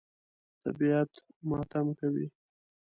طبیعت ماتم کوي.